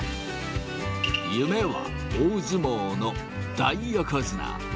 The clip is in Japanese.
夢は大相撲の大横綱。